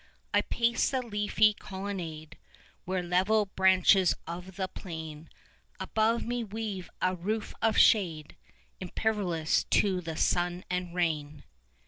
I pace the leafy colonnade 5 Where level branches of the plane Above me weave a roof of shade Impervious to the sun and rain.